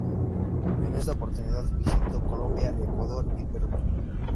En esta oportunidad visitó Colombia, Ecuador y Perú.